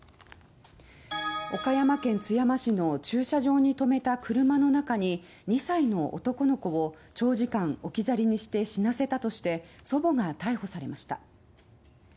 岡山県津山市の駐車場に止めた車の中に２歳の男の子を長時間置き去りにして死なせたとして祖母が逮捕されました。